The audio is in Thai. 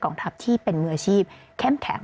สิ่งที่ประชาชนอยากจะฟัง